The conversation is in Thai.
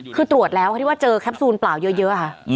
คือตรวจแล้วที่ว่าเจอแคปซูลเปล่าเยอะค่ะ